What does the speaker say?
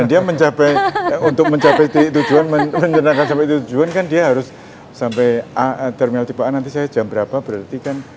dan dia mencapai untuk mencapai tujuan menjelaskan sampai tujuan kan dia harus sampai terminal tiba tiba nanti saya jam berapa berarti kan